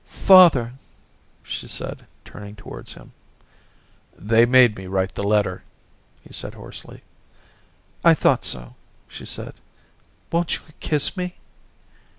* Father !' she said, turning towards him. * They made me write the letter,' he said hoarsely. * I thought so,' she said. ' Won't you kiss me?'